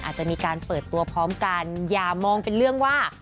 อาจจะมีการเปิดตัวพร้อมกันอย่ามองเป็นเรื่องว่า